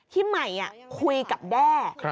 ที่ใหม่คุยกับแด้